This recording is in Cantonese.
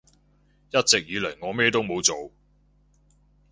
一直以嚟我咩都冇做